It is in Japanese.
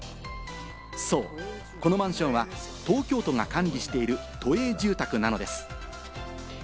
このマンションは東京都が管理している都営住宅なんです。